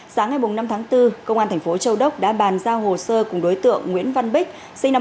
sáng ngày năm tháng bốn công an thành phố châu đốc đã bàn giao hồ sơ cùng đối tượng nguyễn văn bích sinh năm một nghìn chín trăm tám mươi